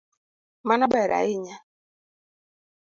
Mano ber ahinya.